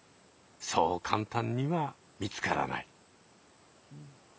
そう簡単には見つからない。